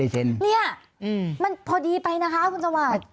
นี่มันพอดีไปนะคะคุณสวัสดิ์